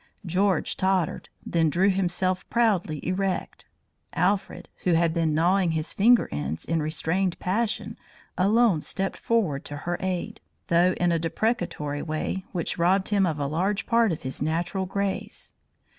George tottered, then drew himself proudly erect. Alfred, who had been gnawing his finger ends in restrained passion, alone stepped forward to her aid, though in a deprecatory way which robbed him of a large part of his natural grace.